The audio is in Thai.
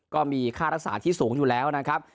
ก็มีค่ารักษาที่สูงอยู่แล้วนะครับ